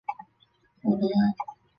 博雷埃。